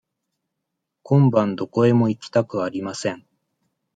今晩どこへも行きたくありません。